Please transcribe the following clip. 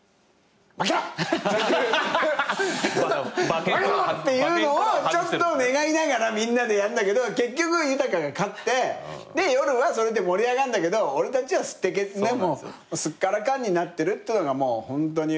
負けろ！っていうのをちょっと願いながらみんなでやるんだけど結局豊が勝って夜はそれで盛り上がるんだけど俺たちはすっからかんになってるっていうのがもうホントに若い頃。